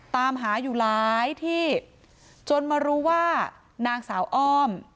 ตามหาอยู่หลายที่จนมารู้ว่านางสาวอ้อม